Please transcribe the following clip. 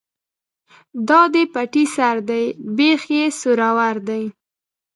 ـ دا دې پټي سر دى ،بېخ يې سورور دى.